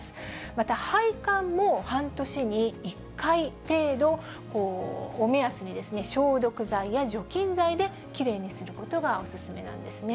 また配管も半年に１回程度を目安に、消毒剤や除菌剤できれいにすることがお勧めなんですね。